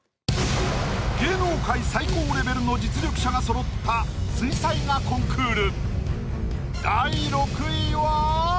芸能界最高レベルの実力者がそろった水彩画コンクール。